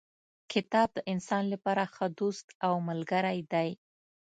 کتاب د انسان لپاره ښه دوست او ملګری دی.